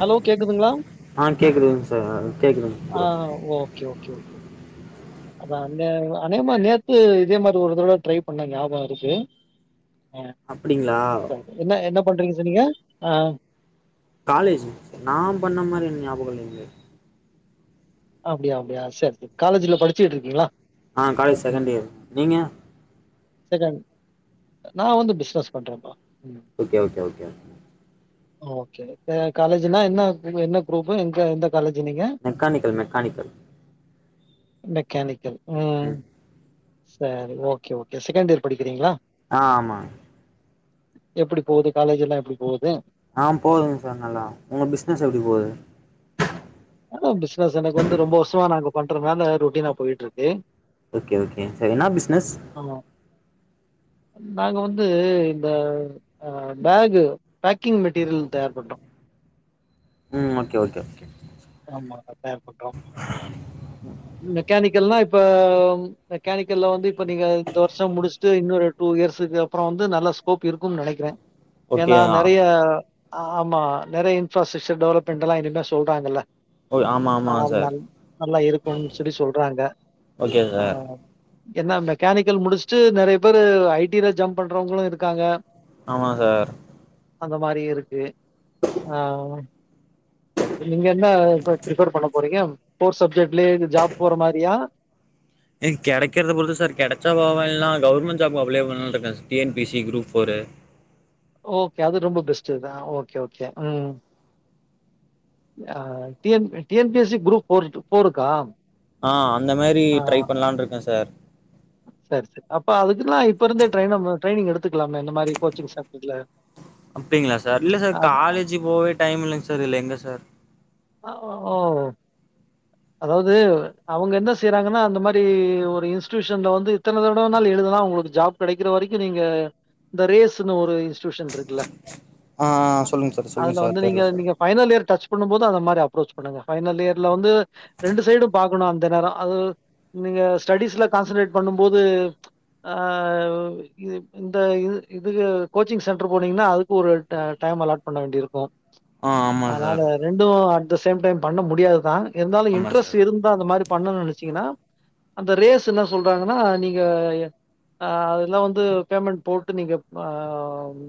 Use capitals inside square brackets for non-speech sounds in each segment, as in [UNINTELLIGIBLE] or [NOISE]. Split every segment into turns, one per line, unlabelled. Hello கேக்குதுங்களா
ஆ கேக்குதுங்க சார் கேக்குதுங்க
ஆ
ப்ரோ
ஓகே ஓகே ஓகே அதா அநேமா அநேகமா நேத்து இதே மாரி ஒரு தடவ ட்ரை பண்ண ஞாபக இருக்கு ஆ
அப்டிங்களா
என்ன என்ன பண்றீங்க சொன்னிங்க ஆ
காலேஜ்ஜி நா பண்ண மாரி ஞாபகோ இல்லைங்களே
அப்டியா அப்டியா செரி செரி காலேஜ்ல படிச்சுட்டு இருக்கீங்களா
ஆ காலேஜ்
ம்
செகண்ட் இயர் நீங்க
செகண்ட் நா வந்து பிஸ்னஸ் பண்றேப்பா ம்
ஓகே ஓகே ஓகே
ஓகே இப்ப காலேஜ்னா என்ன என்ன குரூப்பு எங்க எந்த காலேஜ்ஜி நீங்க
மெக்கானிக்கல் மெக்கானிக்கல்
மெக்கானிக்கல் ம் சரி ஓகே ஓகே செகண்ட் இயர் படிக்கிறீங்களா
ஆ ஆமா
எப்டி போவுது காலேஜ்ஜி எல்லா எப்டி போவுது
ஆ போவுதுங்க சார் நல்லா உங்க பிஸ்னஸ் எப்டி போவுது
ஆ பிசினஸ் எனக்கு வந்து ரொம்ப வர்ஷமா நாங்க பண்றனால ரொட்டினா போயிட்ருக்கு
ஓகே ஓகே சரி என்னா பிஸ்னஸ்
ஆமா நாங்க வந்து இந்த ஆ பேகு பேக்கிங் மெட்டீரிய தயார் பண்றோ
ம் ஓகே ஓகே ஒகே
ஆமா தயார் பன்றோ மெக்கானிக்கல்னா இப்ப மெக்கானிக்கல்ல வந்து இப்ப நீங்க இந்த வர்ஷோ முடிச்சுட்டு இன்னொரு டூ இயர்ஸுக்கு அப்பறோ வந்து நல்லா ஸ்கோப் இருக்குனு நெனக்கிறே
ஓகே
ஏன்னா நெறைய ஆமா நெறைய இன்ஃப்ராஸ்ட்ரக்சர் டெவெலப்மெண்ட் எல்லா இனிமே சொல்றாங்கல்ல
ஓய் ஆமா ஆமா
ஆனால்
சார்
நல் நல்லா இருக்குனு சொல்லி சொல்றாங்க
ஓகே
ஆ
சார்
என்ன மெக்கானிக்கல் முடிச்சுட்டு நெறைய பேரு ஐ டி ல ஜம்ப் பண்றவங்களு இருக்காங்க
ஆமா சார்
அந்த மாரி இருக்கு ஆமா செர் செரி நீங்க என்ன இப்ப பிரிபர் பண்ண போறீங்க கோர்ஸ் சப்ஜெக்ட்லயே ஜாப் போற மாரியா
எங் கெடைக்கிறத பொறுத்து சார் கெடச்சா பாப்போ இல்லனா கவர்மெண்ட் ஜாப்க்கு அப்ளை பண்லானு இருக்கே T N P C group four
okay அது ரொம்ப பெஸ்ட்டுதா ஓகே ஓகே ம் ம் ஆ T N T N P S C group four ஃபோருக்கா
ஆ அந்த மெரி
ஆ
ட்ரை பண்ணலான்னு இருக்கே சார்
சரி சரி அப்ப அதுக்குல்லா இப்ப இருந்தே ட்ரைன ட்ரைனிங் எடுத்துக்கலாமே இந்த மாரி கோச்சிங் சென்டர்ல
அப்டிங்களா சார் இல்ல சார்
அதா
காலேஜ்ஜீ போவே டைம் இல்லைங்க சார் இதுல எங்க சார்
அஅ ஓ அதாவ்து அவ்ங்க என்ன செய்றாங்கன்னா அந்த மாரி ஒரு இன்ஸ்ட்டியூஷன்ல வந்து இத்தன தடவ நால் எழுதலா உங்ளுக்கு ஜாப் கெடைக்கிற வரைக்கு நீங்க இந்த ரேஸ்ன்னு ஒரு இன்ஸ்டூஷன் இருக்குல்ல
ஆ
அ
சொல்லுங்க சார் சொல்லுங்க
அதுல
சார்
வந்து
தெர்ல
நீங்க
சார்
நீங்க ஃபைனல் இயர் டச் புன்னும்போது அந்த மாரி அப்ரோச் பண்ணுங்க ஃபைனல் இயர்ல வந்து ரெண்டு சைடு பாக்கணு அந்த நேரோ அது நீங்க ஸ்டடிஸ்ல கான்சன்ரேட் பண்ணும் போது அ ஓய் இது இந்த இது இதுக்கு கோச்சிங் சென்டர் போனீங்குன்னா அதுக்கு ஒரு ட டைம் அலாட் பண்ண வேண்டிர்க்கு
ஆ ஆமா
ஆனால
சார்
ரெண்டு அட் த சேம் டைம் பண்ண முடியாதுதா இருந்தாலு
ஆமா
இன்ட்ரெஸ்ட்
சார்
இருந் தா அந்த மாரி பண்ணுனு நெனச்சீங்கன்னா அந்த ரேஸ் என்ன சொல்றாங்கன்னா நீங்க எ அ தெல்லா வந்து பேமெண் போட்டு நீங்க வாவு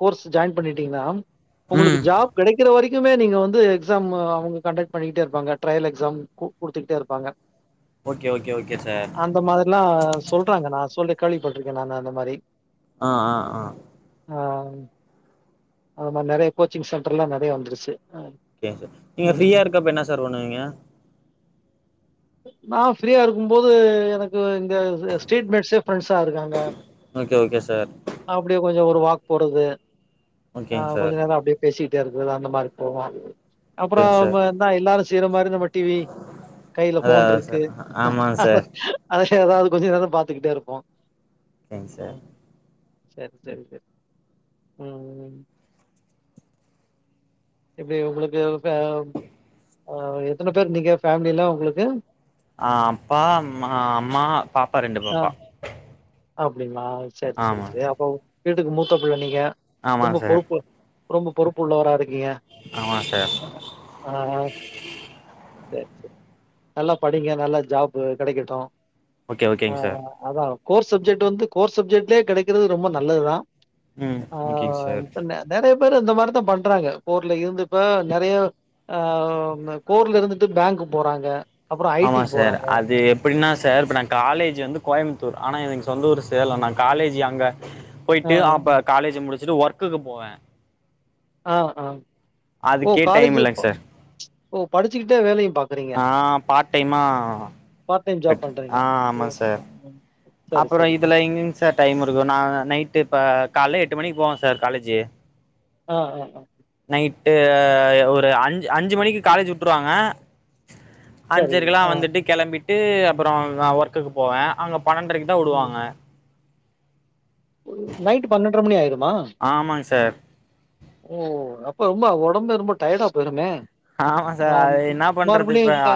கோர்ஸ் ஜாய்ன் பண்ணிட்டீங்னாம் உங்களுக்கு
ம்
ஜாப் கிடைக்கற வரைக்குமே நீங்க வந்து எக்ஸாம்மு அவங்க கண்டக்ட் பண்ணிக்கிட்டே இருப்பாங்க ட்ரைய்ல் எக்ஜாம் கு குடுத்துக்ட்டே இருப்பாங்க
ஓகே ஓகே ஓகே சார்
ல்லா சொல்றாங்க நா சொல்லி கேலிப்பட்ருக்கே நானா அந்த மாரி
அ அ ஆ
ஆங் அது மாரி நெறைய கோச்சிங் சென்ட்ர்லா நெறைய வந்துருச்சே அ
கேச நீங்கள் ஃப்ரீயா இருக்கப்ப என்ன சார் பண்ணுவீங்க
நா ஃப்ரீயா இருக்கும் போது எனக்கு இங்க த ஸ்டேட்மெட்ஸே ஃப்ரண்ஸா இருக்காங்க
ஓகே ஓகே சார்
அப்டியே கொஞ்சோ ஒரு வாக் போறது அ
ஓகேங்க
கொஞ்ச
சார்
நேர் அப்டே பேசிட்டே இருக்குற்து அந்த மாரி போவா அப்புறோ
ஓகேங்க சார்
வா எந்தா எல்லாரு செய்ற மாரி நம்மல் டிவி கைல
அதா
ஃபோன்
அதா
ருக்கு
சார் ஆமாங்க சார்
அத ஹெ ஏதாவ்து கொஞ்சு நேரோ பாத்துக்கிட்டே இருப்போ
எங் சா
சர் சரி ச ம் எப்டி உங்ளுக்கு ஃபேவ் அ எத்தன பேர் நீங்க ஃபேமிலில உங்ளுக்கு
ஆ அப்பா அம்மா அம்மா பாப்பா ரெண்டு பாப்பா
அப்டிங்ளா சர் ச ரே
ஆமாங்க
அப்பவ் வீட்டுக்கு மூத்த பிள்ள நீங்க
ஆமாங்க
ரொம்ப
சார்
பொறுப்போ ரொம்ப பொறுப்பு உள்ளவரா இருக்கீங்க
ஆமா சார்
அ ஆ தே ச நல்லா படிங்க நல்லா ஜாப்பு கிடைக்கட்டு
ஓகே
அ
ஓகேங்க சார்
அதா கோர் சப்ஜெட்டு வந்து கோர் சப்ஜெட்லே கிடைக்கறது ரொம்ப நல்லதுதா
ம்
அ
ஓகேங்க சார்
இப்ப நே நெறைய பேரு இந்த மாரிதா பண்றாங்க போர்ல இருந்து ப நெறையோ அவ்ம்மு கோர்ல இருந்துட்டு பேங்க்கு போறாங்க அப்புறம்
ஆமா
ஐடிக்கு
சார்
போறாங்க.
அதேம் ப்டின்னா சார் இப்ப நா காலேஜ் வந்து கோயம்த்தூர் ஆனா எதுங் சொந்த ஊர் சேலோ நா காலேஜி அங்க
ஆ,
போய்ட்டு
ஆ.
அப்ப காலேஜு முடிச்சுட்டு ஒர்க்குக்கு போவே
அ அ ஓ
அதுக்கே டைம்
காலேஜு
இல்லைங்க
பப்
சார்
ஓ படிச்சுக்கிட்டே வேலையு பாக்
ஆ பார்ட் டைமா
பார்ட் டைம் ஜாப்
பெட்டு
பண்றீங்க.
ஆ ஆமா
ஓகே.
சார்
ம். சரி,
அப்புறோ
சரி, சரி.
இதுல எங்கங் சார் டைம் இருக்கு நா நைட் இப்ப கால எட்டு மணிக்கு போவே சார் காலேஜு
அ அ அ
நைட்டு ய ஒரு அஞ்சு அஞ்சு மணிக்கு காலேஜ் விட்ருவாங்க
சரி.
அஞ்சரைக்கெல்லா
ஆ.
வந்துட்டு கெளம்பிட்டு அப்பறோ நா ஒர்க்குக்கு போவே அங்க பண்ணன்டிரைக்குதா வுடுவாங்க
நைட்டு பன்னெண்டரை மணி ஆயிருமா
ஆமாங்க சார்
ஓ அப்ப ரொம்ப ஒடம்பே ரொம்ப டயர்டா போயிருமே
ஆமா
அ
சார் அது என்ன பண்றது
மறுபடியு
இப்ப
இங்கா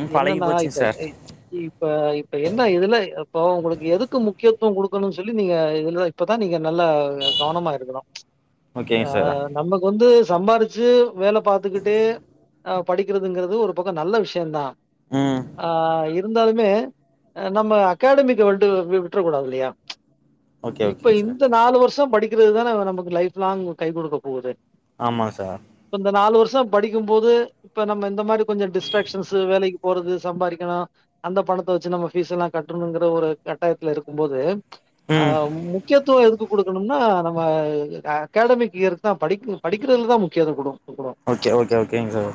ம் பழகி
என்னன்னா
போச்சுங்க
இப்ப
சார்
ஏய் இப் இப்ப இப்ப என்ன இதுல இப்போ உங்களுக்கு எதுக்கு முக்கியத்துவோ குடுக்கணுன் சொல்லி நீங்க இதுல இப்பதா நீங்க நல்ல கவனமா இருக்கணு
ஓகேங்க
யா
சார்
நமக்கு வந்து சம்பாரிச்சு வேல பாத்துக்கிட்டே அவ படிக்கிறதுங்கிறது ஒரு பக்கோ நல்ல விஷயந்தா
ம்
ஆ இது இருந்தாலுமே நம்ம அகாடமிக்க வன்ட்டு வி விட்றக்கூடாது இல்லையா
ஓகே
இப்ப
ஓகேங்க சார்
இந்த நாலு வருஷோ படிக் கிறது தான நமக்கு லைஃப் லாங் கை குடுக்க போவுது
ஆமா சார்
இப்ப இந்த நாலு வருஷம் படிக்கும்போது இப்ப நம்ம இந்த மாதிரி கொஞ்சோ டிஸ்ட்ராக்ஷன்ஸ் வேலைக்கு போறது சம்பாதிக்கணு அந்த பணத்த வச்சு நம்ம ஃபீஸ்ஸெல்லா கட்டணுங்குற ஒரு கட்டாயத்துல இருக்கும் போது ஆ
ம்
முக்கியத்துவோ எதுக்கு குடுக்கணும்னா நம்ம ஆ அகாடமிக் இயர்குக்கு தா படிக்க படிக்கிறதுல தா முக்கியத்துவோ குடுக்கணு
ஓகே ஓகே ஓகேங்க சார்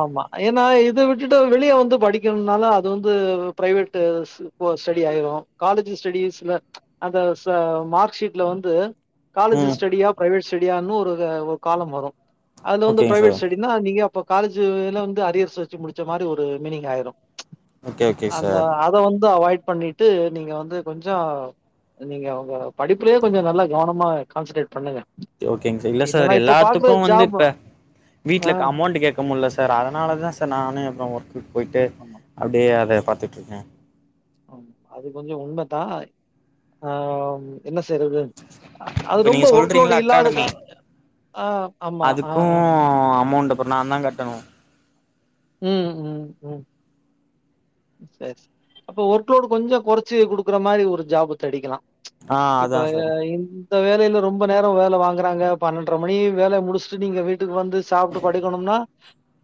ஆமா ஏன்னா இது விட்டுட்டு வெளிய வந்து படிக்கணுன்னாலு அது வந்து ப்ரைவேட்டுஸ் இப்போ ஸ்டடி ஆயிரு காலேஜு ஸ்டடிஸ்ல அந்த ச மார்க் ஷீட்ல வந்து காலேஜ்
ம்
ஸ்டடியா ப்ரைவேட் ஸ்டடியான்னு ஒரு ஒரு காலம் வரும் அதுல வந்து
ஓகேங்க
ப்ரைவேட்
சார்
ஸ்டடி என்னா நீங்க அப்ப காலேஜுல வந்து அரியர்ஸ் வெச்சு முடிச்ச மாரி ஒரு மீனிங் ஆயிரும்
ஓகே ஓகே
அந்த
சார்
அத வந்து அவாய்ட் பண்ணிட்டு நீங்க வந்து கொஞ்சோ நீங்க உங்க படிப்புலயு கொஞ்சோ நல்லா கவனமா கான்சன்ட்ரேட் பண்ணுங்க
ஓகேங்க சார் இல்ல சார்
இல்லன்னா இப்ப பாக்குற
எல்லாத்துக்கு வந்து
ஜாப்
இப்ப வீட்ல
ஆ
அமௌண்ட் கேக் பக்கமுல்லை சார் அதனால தான் க்கமுல்ல சார் அதுனாலதா சார் நானே அப்பறோ ஒர்க்குக் பொயிட்டு
ஆமா.
அப்டியே அத பாத்துட்ருக்கே
ஆம் அது கொஞ்ச உண்மைதா ஆ என்ன செய்றது அ அது
இப்ப
ரொம்ப
நீங்க
ஒர்க்லோடு
சொல்றீங்கல்ல
இல்லாதக்க
அகாடமி
ஆ ஆமா ஆ
அதுக்கு
ஆ
அமௌண்ட் அப்றோ நான்தா கட்டணும்
ம் ம் ம் அப்ப ஒர்க்லோடு் கொஞ்சோ கொறச்சு குடுக்குற மாரி ஒரு ஜாபு தேடிக்கலா
ஆ
இப்ப
அதா சார்
இந் இந்த வேலையில ரொம்ப நேரோ வேல வாங்குறாங்க பன்னெண்டரை மணி வேல முடிச்சுட்டு நீங்க வீட்டுக்கு வந்து சாப்புட்டு படிக்கணும்னா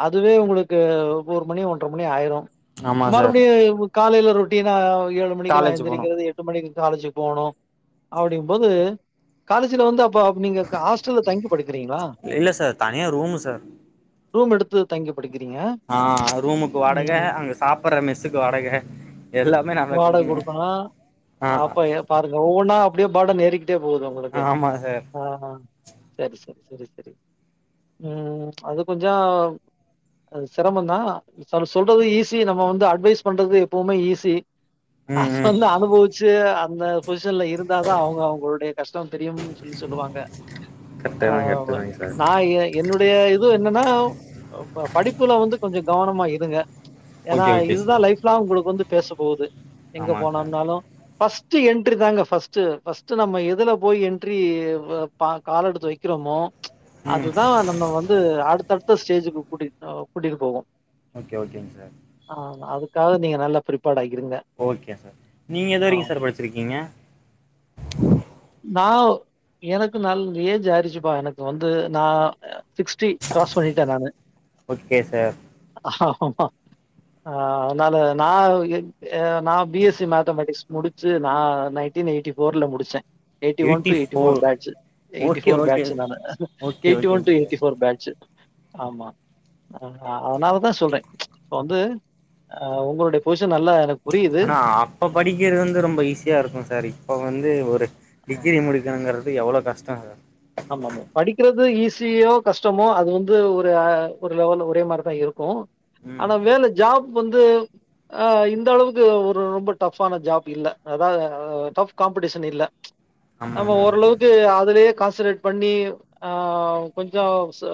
அதுவே உங்களுக் ங்க ஒரு மணி ஒன்றரை மணி ஆயிரு
ஆமா சார்
மறுபடியு இப்ப காலையில ரொட்டினா எழுந் மணிக்கு எல்லா
காலேஜ் போனு
எந்திரிக்கிறது எட்டு மணிக்கு காலேஜு போனு அப்டிங்கும் போது காலேஜ்ல வந்து அப் ப்ப அப்ப நீங்க ஹாஸ்டல்ல தங்கி படிக்கிறீங்ளா
இல்ல சார் தனியா ரூமு சார்
ரூம் எடுத்து தங்கி படிக்கிறீங்க
ஆ ரூமுக்கு வாடக
ம்
அங்க சாப்புர்ற மெஸ்ஸுக்கு வாடக எல்லாமே நம்ம தா குடுக்கணு ஆ
அப்ப எ பாருங்க ஒவ்வொன்னா அப்டியே பர்டன் ஏரிக்கிட்டே போகுது உங்களுக்கு
ஆமா சார்
ஆ ஹா செரி செரி செரி செரி ம் அது கொஞ்சோ அது சிரமந் தா அது சொல்றது ஈஸி நம்ம வந்து அட்வைஸ் பண்றது எப்போவுமே ஈஸி
ம்
அது
ம்
வந்து அனுபவுச் ச்சு அந்த பொசிஷன்ல இருந்தா தா அவங்க அவங்களுடைய கஷ்டோ தெரியும்னு சொல்லி சொல்லுவாங்க
கரெக்ட்டு தா கரெக்ட்டு
ஆமா
தாங்க சார்
நா எ ஐ என்னுடைய இது என்னன்னா ப படிப்புல வந்து கொஞ்சோ கவனமா இருங்க ஏனா
ஓகே ஓகே
இதுதா
சார்
லைஃப்லாங் உங்களுக்கு வந்து பேச போது எங்க
ஆமாங்க சார்
போனம்னாலு ஃபஸ் ஃபஸ்ட்டு என்டரி தாங்க ஃபஸ்ட்டு ஃபஸ்ட்டு நம்ம எதுல போய் என்ட்ரி வ பா கால் எடுத்து வைக்கிறமோ
ம்
அதுதா நம்ம வந்து அடுத்தடுத்த ஸ்டேஜுக்கு கூட்டி கூட்டிட்டு போகு
ஓகே ஓகேங்க சர்
ஆமா அதுக்காக நீங்க நல்லா பிரிப்பா்டா இருங்க
ஓகே சர் நீங்க எது வரைக்கு சர் படிச்சிருக்கீங்க
நா எனக்கு நல் ஏஜ் ஆய்ருச்சிப்பா எனக்கு வந்து நா சிக்ஸ்டி க்ராஸ் பண்ணிட்ட நானு
ஓகே சார்
ஆமா ஆ அதனால நா அ நா பி எஸ் சி மேத்தமெட்டிக்ஸ் முடிச் சு நா நைன்டீன் எய்ட்டி ஃபோர்ல முடிச்ச eighty one two eighty four batch eighty
okay
four
okay
batch நானு
ஓகே
எய்ட்டி ஒன்
ஓகேங்க
two
sir
eighty four batch ஆமா ஆ ஆ அதனாலதா சொல்ற இப்ப வந்து ஆ உங்களுடைய பொசிஷன் நல்லா எனக்
ஆனா அப்ப படிக்கிறது வந்து ரொம்ப ஈஸியா இருக்கு சர் இப்ப வந்து ஒரு
ஆமா
டிகிரி முடிக்கணுங்கிறது எவ்ளோ கஷ்டோ
ஆமாமா படிக்கிறது ஈஸியோ கஷ்டமோ அது வந்து ஒரு ஒரு லெவல் ஒரே மாரி தா இருக்கு
ம்
ஆனா வேல ஜாப் வந்து ஆ இந்த அளவுக்கு ஒரு ரொம்ப டஃபான ஜாப் இல்ல அதா டஃப் காம்படிஷன் இல்ல
ஆமா
நம்ம
ஆமாங்க சார்
ஓரளவுக்கு அதுலயே கான்சன்ரேட் பண்ணி ஆ கொஞ்சோ சோ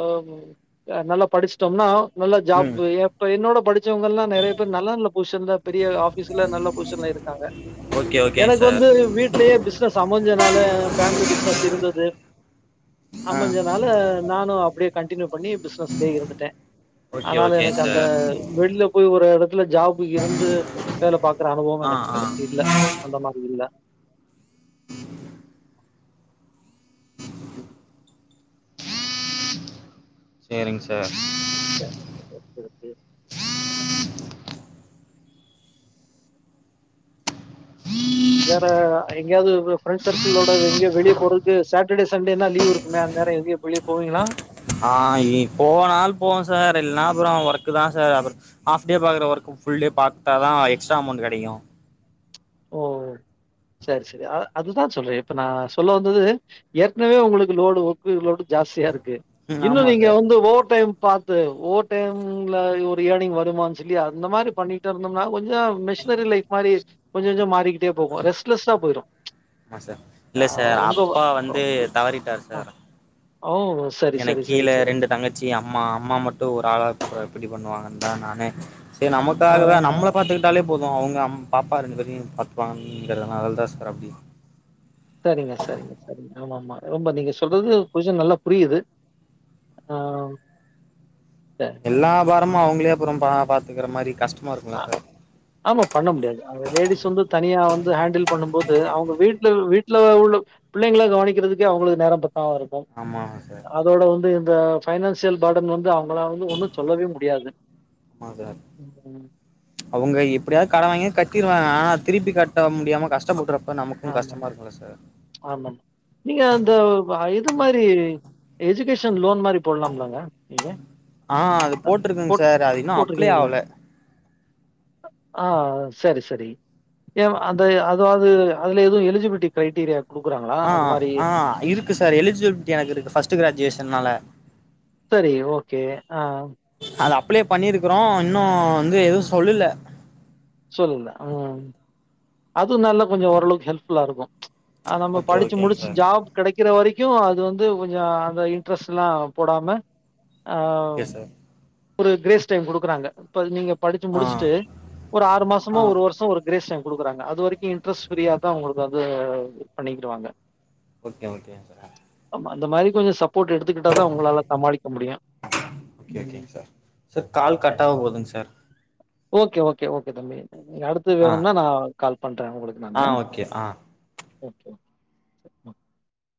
நல்லா படிச்சிட்டோம்னா நல்ல
ம்
ஜாப்பு அப்ப என்னோட படிச் முடிச்சவங்கல்லா நெறைய பேர் நல்ல நல்ல பொசிஷன்ல பெரிய ஆபீஸ்ல நல்ல பொசிஷன்ல இருக்காங்க
ஓகே ஓகேங்க சர்
து வீட்லயே பிசினஸ் அமஞ்சனால ஃபேமலி பிஸ்னஸ் இருந்தது
ஆ
அமஞ்சனால நானு அப்டியே கன்டினியூ பண்ணி பிஸ்னஸ்லே இருந்துட்ட
ஓகே
அனால
ஓகேங்க
எனக்கு அந்த
சார்
வெள்ல போய் ஒரு எடத்துல ஜாப்பு இருந்து வேல பாக்குற அனுபவோ
ஆ
எனக்கு
ஆ
கிடை இல்ல அந்த மாரி இல்ல ம்
சேரிங்க சர்
[UNINTELLIGIBLE] வேற எங்கயாது ஃப்ரெண்ட்ஸ் சர்க்கிளோட எங்க வெளிய போறக்கு சட்டடே சண்டேனா லீவ் இருக்குமே அந்நேரோ எங்கயு வெளிய போவீங்களா
ஆ இனி போனால் போவ சர் இல்லனா அப்பறோ ஒர்க் தா சர் அப்ப ஆஃப்டே பாக்குற ஒர்க் ஃபுல்டே பாத்தா தா எக்ஸ்ட்ரா அமௌண்ட் கெடைக்கு
ஓ சரி சரி அ அதுதா சொல்ற இப்ப நா சொல்ல வந்தது ஏற்கனவே உங்களுக்கு லோடு ஒர்க்கு லோடு ஜாஸ்தியா இருக்கு
ம்
இன்னு
ஆமா
நீங்க
சார்
வந்து ஓவர் டைம் பாத் த்து ஓவர் டைம்ல ஒரு எர்னிங் வருமான் சொல்லி அந்த மாரி பண்ணிட் ட்டு இருந்தம்னா கொஞ்சோ மிஷினரி லைப் மாரி கொஞ்ச கொஞ்சோ மாறிகிட்டே போகு ரெஸ்ட்லெஸ்ஸா போய்டு
ஆ சார் இல்லே சார் அப்பா வந்து தவறிட்டார் சார்
அவுங்களு
எனக்கு கீழே ரெண்டு தங்கச் சி அம்மா அம்மா மட்டு ஒரு ஆளா ப்ப எப்புடி பண்ணுவாங்கன்த நானே செர் நமக்காகவே
ஆ.
நம்மள பாத்துக்கிட்டாலே போது அவங்க அம் பாப்பா ரெண்டு பேத்தையு பாத்துப்பாங்கிறனால தா சார் அப்புடி
சரிங்க சரிங்க சரிங்க ஆமா ஆமா ரொம்ப நீங்க சொல்றது கொஞ்ச நல்லா புரியுது ஆ சரி
எல்லா பாரமு அவங்களே அப்புறம் பா பாத்துக்கிற மாரி கஷ்டமா இருக்குல
அ
சார்
ஆமா பண்ண முடியாது தா அந்த லேடிஸ் வந்து தனியா வந்து ஹேண்டில் பண்ணு போது அவங்க வீட்லயு வீட்டுல உள்ள பிள்ளைங்கள கவனிக்கிறதுக்கே அவங்களுக்கு நேரோ பத்தாம இருக்கு
ஆமாங்க சார்
அதோட வந்து இந்த பைனான்சியல் பர்டன் வந்து அவுங் உங்கள வந்து ஒன்னு சொல்லவே முடியாது ம் [INAUDIBLE]
ம்ச் அவங்க எப்டியாவது கடன் வாங்கியாது கட்டிருவாங்க ஆனா திருப்பி கட்ட முடியாம கஷ்டப்படுறப் இப்போ நமக்கு கஷ்டமா இருக்குல்ல சார்
ம்ச் ஆமாமா நீங்க அந்தவ் வ எது மாரி எஜுகேஷன் லோன் மாரி போடலாம்லங்க நீங்க
ஆ அது போட்ருக்கங்
போட்
சார் அது இன்னு அப்ளே
போட்டுருக்கீங்களா?
ஆவுல
ஆஆ சரி சரி ஏமா அந்த அதாவது அதுல எதுவு எலிஜிபிலிட்டி கிரைட்டேரியா
ஆஆ ஆ இருக்கு சார் எலிஜிபிலிட்டி எனக்கு இருக்கு ஃபர்ஸ்ட்டு கிராஜுவேஷன்னால
செரி ஓகே ஆ
அது அப்ளே பண்ணிருக்கறோ இன்னு வந்து எதுவு சொல்லல
சொல்லல ம் அதுவும் நல்லா கொஞ்சோ ஓரளவுக்கு ஹெல்ப்ஃபுல்லா இருக்கு ம்ச் அ நம்ப
ஓகே
படிச்சு
ஓகேங்க
முடிச்சு
சார்
ஜாப் கெடைக்கிற வரைக்கு அது வந்து கொஞ்சோ அந்த இன்ட்ரெஸ்ட்லா போடாம ஆவ்
ஓகே சார்
ஒரு கிரேஸ் டைம் குடுக்குறாங்க இப்ப நீங்க படிச்சு
ஆ
முடிச்சுட்டு ஒரு ஆறு
ஆ
மாசமோ ஒரு வருஷோ ஒரு கிரேஸ் டைம் குடுக்குறாங்க அது வரைக்கும் இன்ட்ரெஸ்ட் ஃப்ரீயா தா உங்களுக்கு வந்து பண்ணிக்கிடுவாங்க
ஓகே ஓகே சார
ஆமா அந்த மாரி கொஞ்சோ சப்போர்ட் எடுத்துக்கிட்டாதா உங்களால சமாளிக்க முடியு
ஓகே
ம்
ஓகேங்க சார் சார் கால் கட்டாக போதுங் சார்
ஓகே ஓகே ஓகே தம்பி நீங்க அடுத்து
ஆ
வேணும்னா நா கால் பண்றே உங்களுக் அது
ஆ
நாங்கதா
ஓகே ஆ
ஓகே ஓகே ச மா